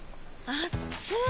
あっつい！